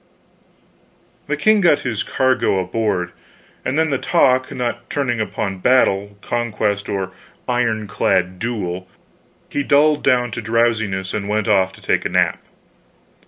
The king got his cargo aboard, and then, the talk not turning upon battle, conquest, or iron clad duel, he dulled down to drowsiness and went off to take a nap.